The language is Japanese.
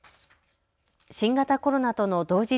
新型コロナとの同時